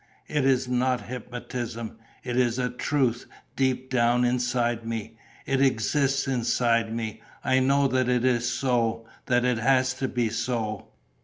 "It is not hypnotism. It is a truth, deep down inside me. It exists inside me. I know that it is so, that it has to be so....